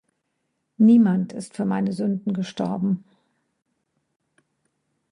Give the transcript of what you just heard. Niemand ist für meine Sünden gestorben.